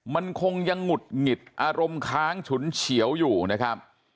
มันคงยังหงุดหงิดอารมณ์ค้างฉุนเฉียวอยู่นะครับ